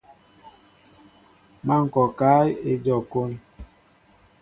Má ŋkɔkă éjom kón.